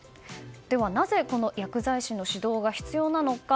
ではなぜ薬剤師の指導が必要なのか。